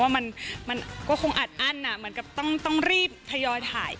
มันก็คงอัดอั้นเหมือนกับต้องรีบทยอยถ่าย